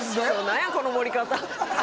「何やこの盛り方？」